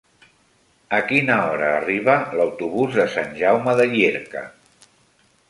A quina hora arriba l'autobús de Sant Jaume de Llierca?